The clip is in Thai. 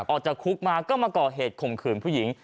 ออกจากคุกมาก็มาก่อเหตุข่มขืนผู้หญิง